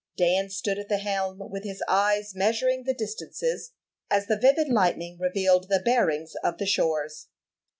Dan stood at the helm, with his eyes measuring the distances, as the vivid lightning revealed the bearings of the shores.